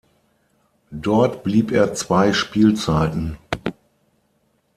Dort blieb er zwei Spielzeiten.